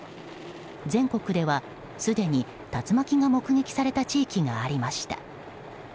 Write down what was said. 全国ではすでに竜巻が目撃された地域がありました。